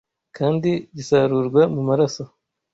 kandi gisarurwa mu maraso